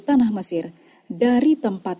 tanah mesir dari tempat